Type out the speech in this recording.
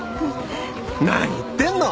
何言ってんの！